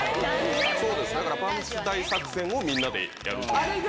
だからパンツ大作戦をみんなでやるという。